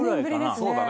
そうだね。